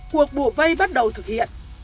cuộc bùa vây bắt đầu thực hiện